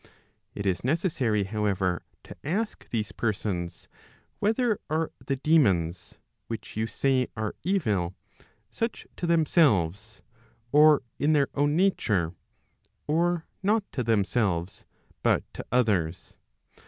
It is necessary, however, to ask these persons, whether are the daemons, which you say are evil, such to themselves [or in their own nature,] or not to themselves, but to others